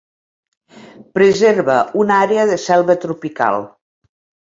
Preserva una àrea de selva tropical.